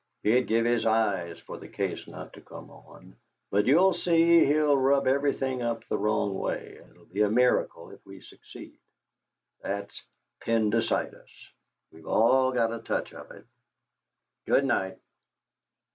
He'd give his eyes for the case not to come on, but you'll see he'll rub everything up the wrong way, and it'll be a miracle if we succeed. That's 'Pendycitis'. We've all got a touch of it. Good night!"